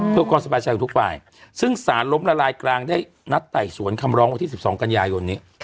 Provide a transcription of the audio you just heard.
เพื่อความสบายใจของทุกฝ่ายซึ่งสารล้มละลายกลางได้นัดไต่สวนคำร้องวันที่๑๒กันยายนนี้